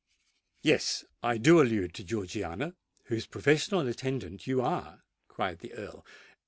"Yes—I do allude to Georgiana, whose professional attendant you are," cried the Earl.